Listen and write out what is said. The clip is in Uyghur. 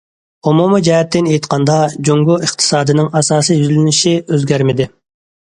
ئومۇمىي جەھەتتىن ئېيتقاندا جۇڭگو ئىقتىسادىنىڭ ئاساسى يۈزلىنىشى ئۆزگەرمىدى.